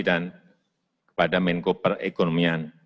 dan kepada menko perekonomian